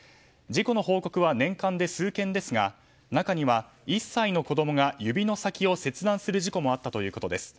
事故の報告は年間で数件ですが中には、１歳の子供が指の先を切断する事故もあったということです。